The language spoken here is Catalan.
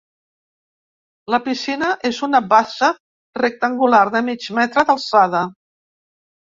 La piscina és una bassa rectangular de mig metre d'alçada.